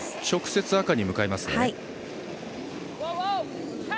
直接、赤に向かいます。